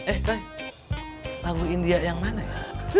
eh lagu india yang mana ya